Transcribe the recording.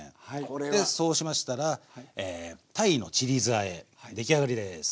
でそうしましたら鯛のちり酢あえ出来上がりです。